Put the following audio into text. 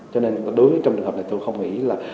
cho nên đối với trong trường hợp này tôi không nghĩ là